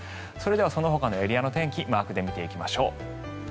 それではそのほかのエリアの天気をマークで見てみましょう。